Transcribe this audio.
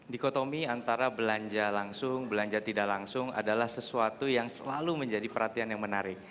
dikotomi antara belanja langsung belanja tidak langsung adalah sesuatu yang selalu menjadi perhatian yang menarik